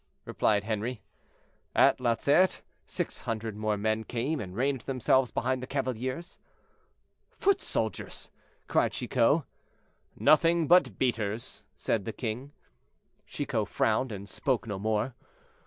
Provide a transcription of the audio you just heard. replied Henri. At Lauzerte, six hundred more men came and ranged themselves behind the cavaliers. "Foot soldiers!" cried Chicot. "Nothing but beaters," said the king. Chicot frowned and spoke no more.